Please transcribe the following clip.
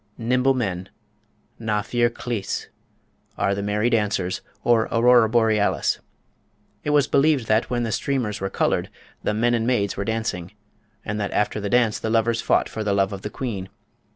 Nimble Men (Na Fir Chlis) are "The Merry Dancers," or Aurora Borealis. It was believed that, when the streamers were coloured, the "men and maids" were dancing, and that after the dance the lovers fought for the love of the queen.